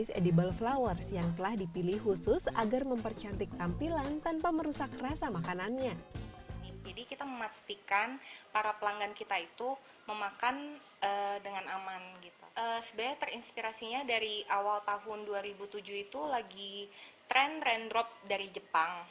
sebenarnya terinspirasinya dari awal tahun dua ribu tujuh itu lagi trend trend drop dari jepang